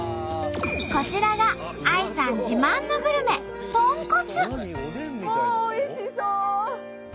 こちらがＡＩさん自慢のグルメもうおいしそう！